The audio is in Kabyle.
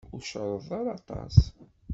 Ur cerreḍ ara aṭas.